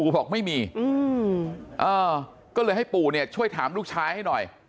บอกไม่มีก็เลยให้ปู่เนี่ยช่วยถามลูกชายให้หน่อย